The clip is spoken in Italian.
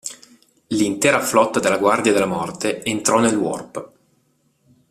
L'intera flotta della Guardia della Morte entrò nel Warp.